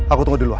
aku tunggu di luar